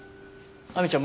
亜美ちゃん